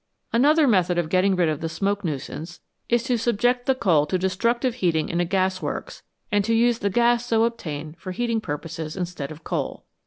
Another method of getting rid of the smoke nuisance is to subject the coal to destructive heating in a gas works, and to use the gas so obtained for heating pur poses instead of coal.